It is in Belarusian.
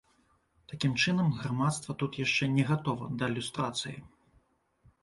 Такім чынам, грамадства тут яшчэ не гатова да люстрацыі.